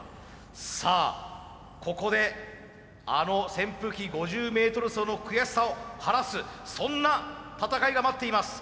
さあここであの扇風機５０メートル走の悔しさを晴らすそんな戦いが待っています。